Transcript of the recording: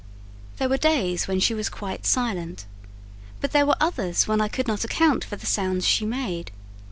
There were days when she was quite silent; but there were others when I could not account for the sounds she made.